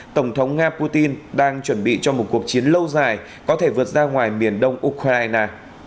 tổng thống nga putin đang chuẩn bị cho một cuộc chiến lâu dài có thể vượt ra ngoài miền đông ukraine